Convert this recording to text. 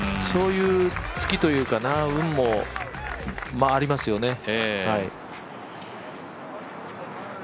そういうツキというか運もありますよね。